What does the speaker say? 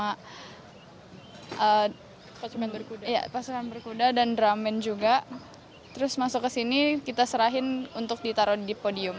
alifah sendiri membawa teks proklamasi terus kita naik ke kereta kencana terus diiringin sama pasuran berkuda dan drumman juga terus masuk ke sini kita serahin untuk ditaruh di podium